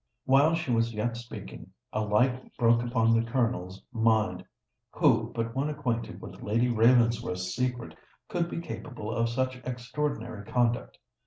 While she was yet speaking, a light broke upon the Colonel's mind. Who but one acquainted with Lady Ravensworth's secret could be capable of such extraordinary conduct?